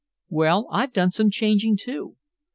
Well, I've done some changing, too.